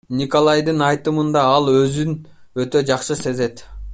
Николайдын айтымында, ал өзүн өтө жакшы сезет.